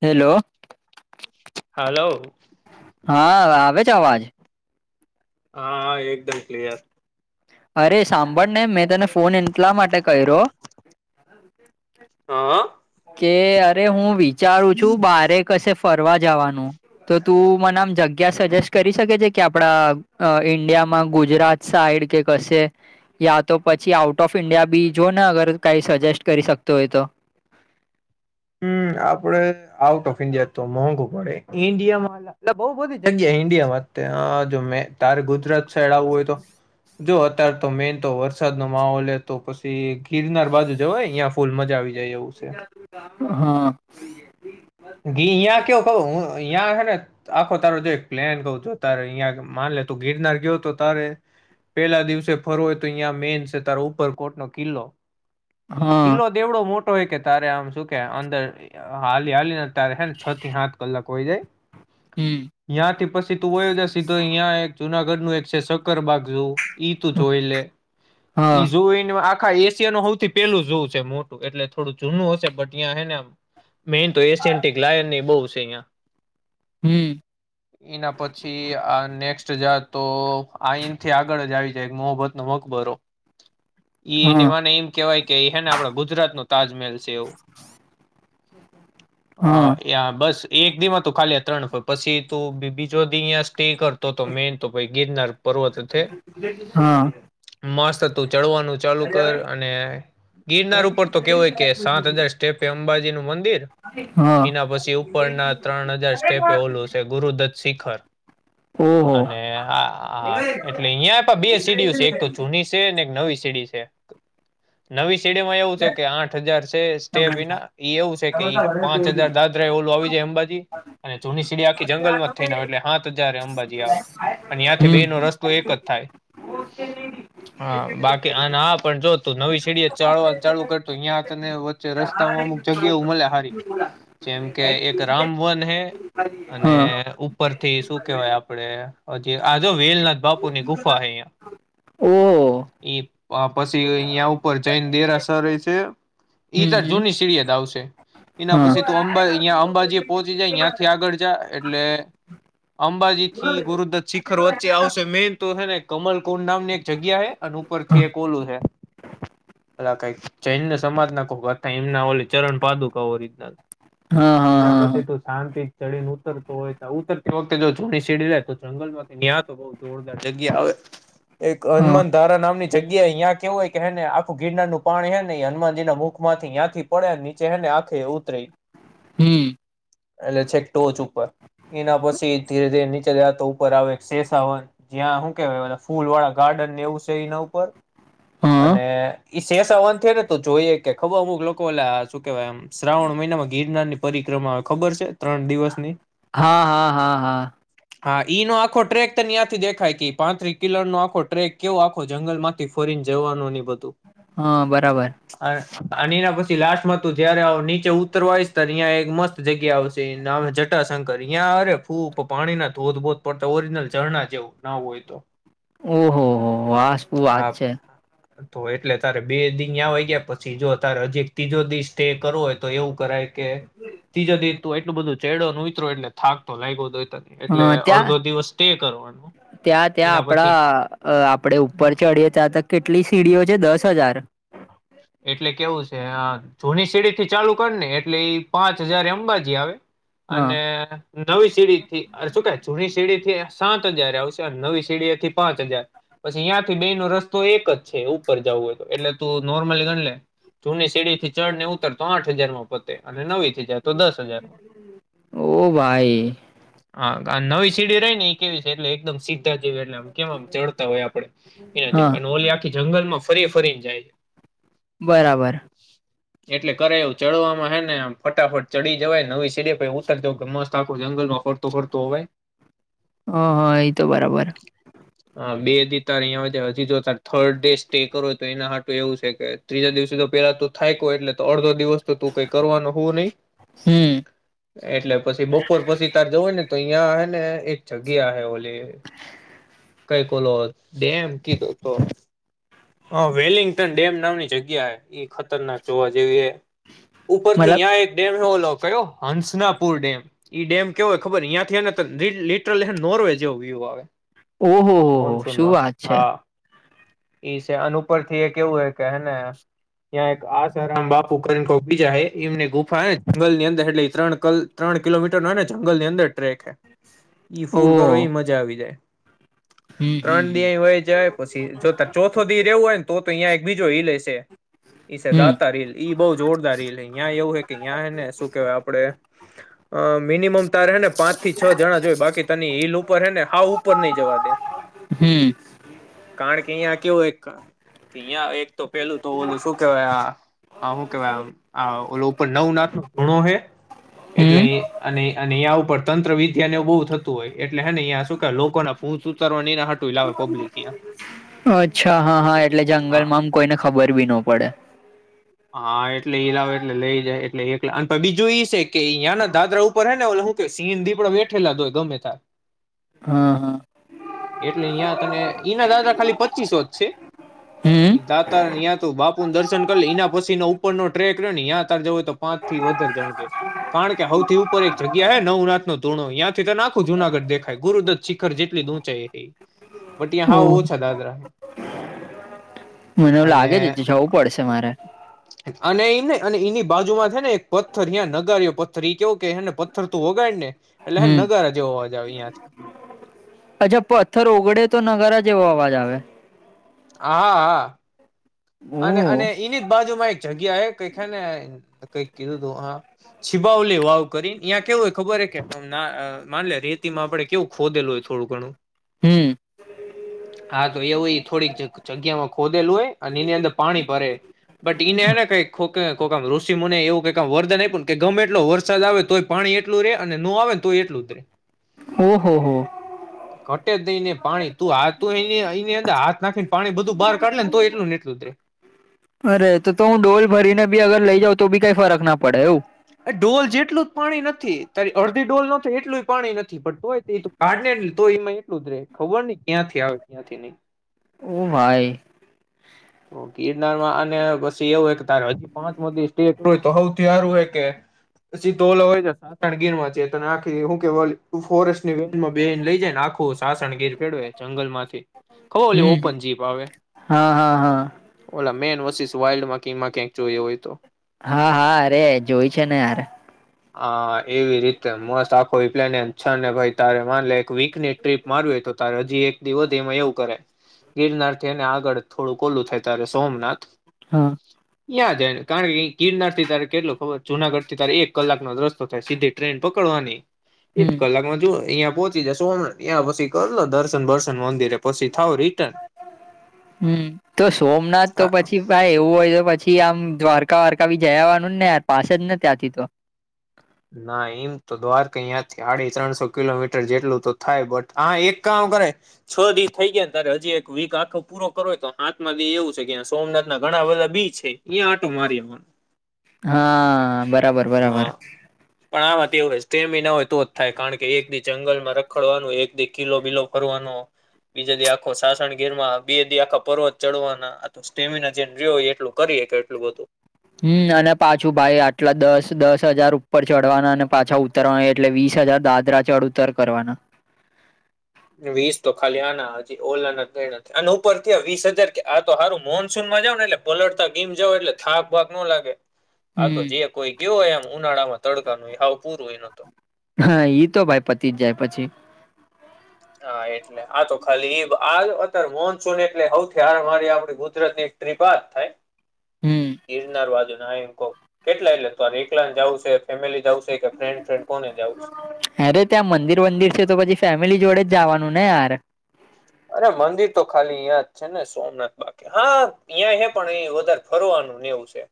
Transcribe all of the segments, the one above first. Hello! હાલો હા આવે છે અવાજ? હા હ એકદમ ક્લિયર અરે સાંભળ ને મેં તને ફોન એટલા માટે કર્યો? હા હહ કે અરે હું વિચારું છું બારે કશે ફરવા જવાનું, તો તું મને આમ જગ્યા સજેસ્ટ કરી શકે છે કે આપડા ઈન્ડિયામાં ગુજરાત સાઈડ કે કશે યા તો પછી આઉટ ઓફ ઈન્ડિયા બી જો ને અગર કઈ સજેસ્ટ કરી શકતો હોય તો? હમ આપડે આઉટ ઓફ ઇન્ડિયા તો મોંઘુ પડે ઈન્ડિયામા એટલે બઉુ બધી જગ્યા ઇન્ડિયામાં જો મે તારે ગુજરાત સા આવું હોય તો જો અત્ય્યારે તો મેન તો વરસાદ નો માહોલ તો પછી ગિરનાર બાજુ જ અહીં ફૂલમાં જ આવી જાય. એવું છે હા ઘી યાં કવ ક યાં હે ને? આખો તારો જો એક પ્લેન કહ છ તારે અહંયા માન લે તું ગિરનાર ગયો તો તારે પેલા દિવસે ફરવ હોય તો અહીં મેન છે તારો ઉપરકોટ નો કિલ્લો. ઈ હા કિલ્લો ઓવડો મોટો હોય કે તારે આમ શું કે અંદર હાલી હાલી હે છ થી સાત કલાક હોય જાય. હમ તયાંથી પછી તું વયો જ સીધો અહં એક જુનાગઢ નું એક છે શક્કરબાગ ઝુ. ઈ તું જોઈ લે હા ઈ જોઈ ને આ આખા એશિયા નું સૌથી પેલું જોવું છે મોટું એટલે થોડું જૂનું હશે બટ ત્યાં હને મેન તો એશિયન્ટિક લાયન ની બહુ છે અહિયાં હમ એના પછી આ નેક્સ્ટ જા તો આનથી આગળ જ આવી જાય મોહબ્બત ન મકબરો એને હા મને એમ કેહેવાય કે હે ને આપડ ગુજરાત ન તાજમહેલ છે એવું હમ હ અ યા બસ એક દિમ હતું ખાલી ત્રણ પછી તું બીજો દી અયા સે કરતો તો મેન તો ભાઈ ગિરનાર પર્વત છે હા [inaudible] મસ્ત તું ચડવાનું ચાલુ કર અને ગિરનાર ઉપર તો કેવ હોય કે સાત હજાર સ્ટેપે અંબાજી નું મંદિર હા. એના પછી ઉપરના ત્રણ હજાર સ્ટેપે ઓલું છે ગુરુદત્ત શિખર. ઓહો અને એટલે અહિયાં પણ બે સીડીુ છે એક તો જૂની છે એક નવી સીડી છે નવી સીડીમાં એવું છે કે આઠ હજાર છે. ીના [unintelligible] એ એવું છે કે પાંચ હજાર દાદરા એ ઓલું આવી જાય અંબાજી અને જૂની સીડી આખી જંગલમાં થઈને આવે એટલે સાત હજાર અંબાજી આવે. અને આયાંથી બે હમ નો રસ્તો એક જ થાય હ બાકી આ હ પણ જો તો નવી સેડી ચાલવા ચાલુ કરતો અહં તને વચ્ચે રસ્તામાં અમુકગ્યા મળે હારી. જેમ કે એક રામ વન હે અને હા ઉપરથી શું કેહેવાય આપડે જી આ જો વેલનાથ બાપુર ની ગુફા હ અહં ઓહ એ પછી અહિયાં ઉપર જૈન દેરાસર છે ત હમ જૂની સીરિ યાદ આવશે એના હા હા પછી તું અંબા અં અંબાજી પહોંચી જાય ત્યાંથી આગળ જા એટલે અંબાજી થી ગુરુદત શિખર વચ્ચે આવશે મેન તો છે ને કમલ કોુંડ નામ ની એક જગ્યા હે અને ઉપરથી એક ઓલું છે પલા કઈક જૈન્ય સમાજના તા એમના ઓ ચરણ પાદુકા ઓરિજનલ. હા હા એના પછી હા તો શાંતિ ચડીને ઉતરતો હોય તો ઉતરતી વખતે જો જૂણી સીડી લે તો જંગલ માંથી નિહતો જોરદાર જગ્યા આવે એક હા હનુમાન ધારા નામની. જગ્યાએ અ્યાં કેવું હોય કે હેને આખું ગિરનાર નનું પાણી હે ને એ હનુમાનજી ના મુખ માંથી ત્યાં થી પડ્યા નીચે એને આખે ઉતરી હમ્મ. એટલે છેક ટોચ ઉપર. એના પછી ધીરે ધીરે નીચે જ તો ઉપર આવે શેસાવન જ્યાં શું કેવાય ફૂલ વાળા ગાર્ડનને એવું છે એના ઉપર હા અને ઈ શેષવન થ ને તો જોઈએ કે ખબર અમુક લોકો એલા શું કેવાય એમ શ્રાવણ મહિનામાં ગિરનાર ની પરિક્રમા આવે ખબર છે ત્રણ દિવસની? હા હા હા હા. હા ઈ નો આખો ટ્રેક તને્યાંથી દેખાય કે પાંત્રી કિલોર નો આખો ટ્રેક કેવો આખો જંગલ માંથી ફોરીન જવાનું ની બધું. હા બરાબર. અને એના પછી લાસ્ટમાં તું જયારે ઉત્તરવા વિસ્તારં એક મસ્ત જગ્યા આવશે ના જટાશંકર અહં અરે ફૂ પાણી ના ધોધ બો તો ઓરિજનલ ઝરણા જેવું ના હોય તો. ઓહો હો વાહ શું વાત હા છે. તો એટલે તારે બે દિન આવેય ગયા પછી જો તારે હજી એક ત્રીજો દિવસ સ્ટે કરવો હોય તો એવું કરાય કે ત્રીજા દીન તું એટલું બધું ચેડો ન ઉતરો એટલે થાક તો લાગ્યો દ હોય. એટલે ત્યાં અડધો દિવસ સ્ટે કરવાનું. ત્યાં ત્યાં આપડા આપડે ઉપર ચડીીએ ત્યાં ત કેટલી સીડીઓ છે દસ હજાર? એટલે કેવું છે હા. જૂની સીડી થી ચાલુ કરી ને એટલે ઈ પાંચ હજાર અંબાજી આવે હા અને નવી સીડી થી શું કે જૂની સીડી થી સાત હજાર આવશે નવી સીડીથી પાંચ હજાર. પછી ત્યાં થી બે નો રસ્તો એક જ છે ઉપર જવું હોય તો એટલે તું નોર્મલી જૂની સીડી થી ચડ ને ઉતર તો આઠ હજાર માં પ અને નવી થી જાય તો દસ હજારમાં. ઓ ભાઈ હા નવી સીડી રહી ને એ કેવી છે એટલે એકદમ સી એટલે આમ કેમ ચડતા હોય આપડે એ હા અને ઓલી આખી જંગલમાં ફરી ફરીને જાય બરાબર એટલે કરે એવું ચડવામાં હે નેમ ફટાફટ ચડી જવાય નવી સીડે પર ઉતર જવ કે મસ્ત આખું જંગલમાં ફ તો ફર તોવે હ હા એ તો બરાબર. હા બે અધી તારં હજી જો ત થર્ડ ડે સ્ટે કરો તો એના સાાટું એવું છે કે ત્રીજા દિવસેધ પેલા તું થાય કો એટલે તો અડધો દિવસ તો તું કઈ કરવાનું હોવ નહીિ. હમ એટલે પછી બપોર પછી તાર જવું ને તો અહં હ ને એક જગ્યા હ ઓલી કઈ ઓલો ડેમ કીધો તો હા વેલિંગ્ટન ડેમ નામની જગ્યા એ ખતરનાક જોવા જેવી એ ઉપરથી મતલબ યાએ એક ડેમ નો ઓલો કયો હંસનાપુર ડેમ ઈ ડમ કેવો ખબર યાંથી ને લીટરલ નોર્વે જેવો વ્યુ આવે ઓહો હો હો શું મોનસૂનમાં વાત છે હા ઈ છે અનુપર થી એ કેવું હો કે હે ને ત્યાં એક આશારામ બાપુ કરને કોઈ બીજા હે એમને ગુફા જંગલ ની અંદર એટલે ત્રણ કલ ત્રણ કિલોમીટર નો હોય ને જંગલ ની અંદર ટ્રેક હ ઈ ફૂલ કરો એ ઓહ મજા આવી જાય હમ ત્રણ હમ દિ યે વયા જાય પછી જોતક આખો ડી જો રેવું હોય ને તો અહિયે એક બીજો હિલે એ છે ઈ જે હમ દાતા તા હીલ ઈ બોહ જોરદાર હીલ યા એવું હોય કે ત્યાં ને શું કેહેવાય આપણે અ મિનિમમ તારે હેને પાંચ થી છ જણા જોય બાકી તની હીલ ઉપર હે ને હા ઉપર નહી જવા દે હમ કારણ કે અહિયાં કેવું એક કે યાહં એક તો પેલું તો ઓલું શું કેવાય આ હ શું કેવાય આમ ઓ ઉપર નવ નાથ નો ધૂણો હે હમ એટલે અને અહે ઉપર તંત્ર વિદ્યાને બોહ થતું થતું હોય એટલે હેનેં શ લોકોને ભૂત ઉતારવા એના હાટું આવે પબ્લિકં અચ્છા હા હા એટલે હા જંગલમાં આમ કોઈને ખબર ભી નો પડે હા એટલે ઈ લાવે એટલે લઈ જાય એટલે એક બીજું ઈ છે કે યા ના દાદરા ઉપર હ ને ઓ હ સિંહ દીપડા વેઠેલા હોય ગમે ત્યા હા હા એટલે અ્યાં તને ઈના દાદરા ખાલી પચીસો જ છે હમ ઈ ં તો બાપુું દર્શન કર લ એના પછી નો ઉપર નો ટ્રેક્ રેયો ને યા તારે જવું હોય તો પાંચ થી વધારે જણ જોયે કારણ કે હૌથી ઉપર એક જગ્યા હે નવનાથ નો ધૂણો તયાંથી ત નાખું જુનાગઢ દેખાય ગુરુદતશીખર જેટલીૂ [unintelligible] બટ ત્યા બો ઓહ ઓછા દાદરા મને એવું અને લાગે છે જવું પડશે મારે અને એ ને અને એની બાજુમાં છે ને એક પથ્થર ત્યાં નગાર્યો પથ્થર કેવું કેને પથરને તું વગાડ ને એટલે હ હમ નગારા જેવો અવાજ આવે યાહથી અચ્છા પથ્થર ઓગડે તો નગારા જેવો અવાજ આવે હા હા હા અને અને ઓહ એની જ બાજુમાં એક જગ્યા હે કઈ છેે ને કઈક કીધું તું હા છીબાવલી વાવ કરીને યાં કેવું હોય ખબર હ કે માન રેતી માં આપડે કેવું ખોદેલું હોય થોડું ઘણું હમ હા તો એવું ઈ થોડીક જગ્યામાં ખોદેલું હોય અને એની અંદર પાણી ભરે બટ ઈને હને કઈકામ ઋષિ મુની ને એવું કઈ વરદાન આપ્યું કે ગમે એટલો વરસાદ આવે તો પાણી એટલું રે અને નો આવે ને તો એટલું જ રે ઓહ હો ઘટે જ નઈ ને પાણી તું આ તું એની અંદર હાથ નાખીને પાણી બધું બાર કાઢે ને તોયે એટલુ ને એટલું [unintelligible] અરે તો તો હું ડોલ ભરીને બી અગર લઈ જાઉ તો બી કઈ ફરક ના પડે એવું અ ડોલ જેટલું જ પાણી નથી તારી અડધી ડોલ નોતો એટલું જ પાણી નથી પડતું હોય હ ને એટલ તો એમાં એટલું જ રે ખબર નઈ ક્યાંથી આવે ક્યાંથી નહી ઓ ભાઈ તો ગિરનારમાં અને પછી એવું હોય કે તારે હજી પાંચ મો દ સય તો સૌથી સારું હોય કે પછી તો ઓલો હોય જ સાસણગીર માં છે તો આખી હું કે ફોરેસ્ટ ની વન મા લઈ જાય ને આખું સાસણગીર ફેરવે જંગલ માંથી હમ હા હા હા ઓલા મેન વશિસ વાઇલ્ડમાં કમાં ક્યાંક જોઈયએ હોય તો હા હા અરે જોય છે ને યાર હ એવી રીતે મસ્ત આખો્લે છ ને ભ ત મા એક વીક ટ્રીપ માર હોય તો તારે હજી એક દિવ એમાં એવું કરે ગિરનારથીને આગળ થોડુંક ઓલું થાય તારે સોમનાથ હા યાદ આવે ને કારણ કે ગિરનાર થી તારે કેટલો ખબર જુનાગઢ થી તારે એક કલાકનોો રસ્તો થાય સીધે ટ્રેન પકડવાની એક હમ કલાકમાં જો અહીયાં પહોંચી જ સોમ ત્યાં પછી કરી લો દર્શન વર્શન મંદિરે પછી થાવ રિટર્ન હમ તો સોમનાથ તો પછી ભાઈ એવું હોય તો પછી થી આમ દ્વારકા વારકા બી જયાવાનું ને પાસે જ નથી ત્યાંથી તો ના એમ તો દ્વારકા અયાંથી આડી ત્રણસો કિલોમીટર જેટલું તો થાય બટ હા એક કામ કરે છ દિવસ થઈ ગયા ને ત્યારે હજી એક વીક આખો પૂરો કરો તો હાથમાંથી એવું છે કે સોમનાથના ઘણા બધા બી છે આટો મારીવા હા બ હ પણ આવા તેવ તેમી ના હોય તો જ થાય કારણ કે એક દી જંગલમાં રખડવાનું એક દી કિલો બિલો ફરવાનો બીજા દી આખો સાસણ ઘેરમાં બે આખા પર્વત ચડવાના આ તો સ્ટેમિના જેમ હોય એટલો કરીએ કે એટલું બધું હમ અને પાછું ભાઈ આટલા દસ દસ હજાર ઉપર ચઢવાના અને પાછા ઉતરવાના એટલે વીસ હજાર દાત દ્રા ચડ ઉતર કરવાના વીસ તો ખાલી આ ના હજી ઓલા ના ક નથી અને ઉપર ક વીસ હજાર આ તો સારું મોનસૂન માં જાવ ને એટલે બોડતા ગીમ જાવ એટલે થાક ભાાગ ન લાગે હ [inaudible] આા તો જે કોઈ ગયો હોય એમ ઉનાળામાં તડકા ન ભાવ પૂરું એનો તો હા ઈ તો ભાઈ પતિ જ જાય પછી હા એટલે આ તો ખાલી આ અત્યારે મોનસૂન એટલેથીરી આપ ગુજરાત ની તિપાત થાય હમ ગિરનાર બાજુ ના કેટલા એટલે ત એકલા જાવશે ફેમિલી જાવશે કે ફ્રેન્ડ ફ્રેડ કોને જાવશે અરે ત્યાં મંદિર વંદિર છે તો પછી ફેમિલી જોડે જ જવાનું ને યાર અરે મંદિર તો ખાલી હીં જ છે ને સોમનાથ બાકી હા અ્યાં હે પણ અ વધારે ફરવાનું નેવું છે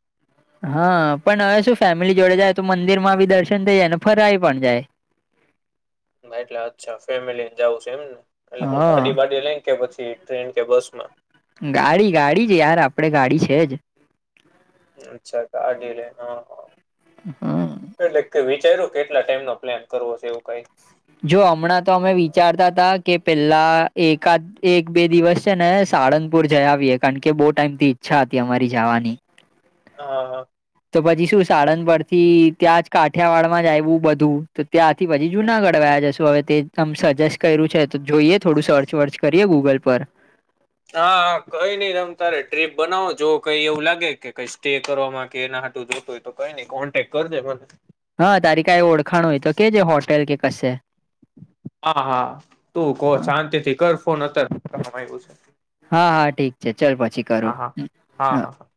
હા પણ હવે શું ફેમિલી જોડે જાય તો મંદિર માં બી દર્શન થઈ જાય ફરાય પણ જાય ભ એટલે અચ્છા ફેમિલી લઈને જાઉુ છે એમને એટલે હું ગાડી હ વાાડી લઈ કે પછી ટ્રેન કે બસ માં ગાડી ગાડી જ યાર આપડે ગાડી છે જ અચ્છા કાઢલે હા હ હા એટલે વિચાર્યું કેટલા ટાઈમ નો પ્લાન કરવો છે એવું કઈ? જો હમણાં તો અમે વિચારતા તા કે પેલા એકાદ એક બે દિવસ ને સાળંગપુર જયા આવીએ કારણ કે બહુ ટાઈમ થી ઈચ્છા હતી અમારી જવાની. હ તો પછી શું સાળંગ. પરથી ત્યાં જ કાઠિયાવાડમાં જ આવું બધું તો ત્યાંથી પછી જુનાગઢ વાયા જશે તો હવે તે આમ સજેસ્ટ કર્યું છે તો જોઈએ થોડું સર્ચ વર્ચ કરીએ ગુગલ પર હા હ કઈ નઈ રમ તારે ટ્રીપ બનાવો જો કઈ એવું લાગે કે કઈ સ્ટે કરવામાં કે એના હતું જો હોય તો કઈ નહી કોન્ટેક્ટ કરજે મને હા તારી કાઈ ઓળખાણ હોય તો કે છે હોટેલ કે કશે હા હા તું કો હા શાંતિથી કર ફોન અતાર આવ્યું છે હા હા ઠીક છે ચાલ પછી હા કરું હા હા હા હા